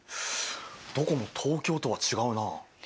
どこも東京とは違うな。